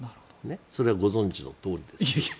それはご存じのとおりです。